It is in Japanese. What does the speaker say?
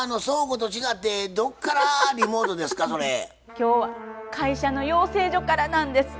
今日は会社の養成所からなんです。